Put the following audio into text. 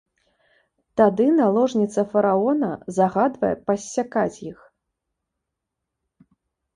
Тады наложніца фараона загадвае пассякаць іх.